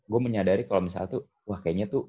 gue menyadari kalau misalnya tuh wah kayaknya tuh